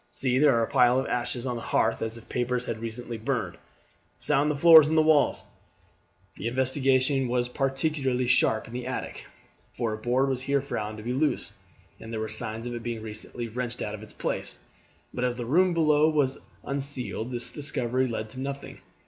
See, there are a pile of ashes on the hearth as if papers had been recently burned. Sound the floors and the walls." The investigation was particularly sharp in the attic, for a board was here found to be loose, and there were signs of its being recently wrenched out of its place, but as the room below was unceiled this discovery led to nothing.